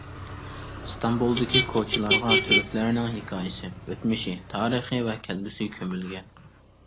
ئىستانبۇلدىكى كوچىلارغا تۈركلەرنىڭ ھېكايىسى، ئۆتمۈشى، تارىخى ۋە كەلگۈسى كۆمۈلگەن.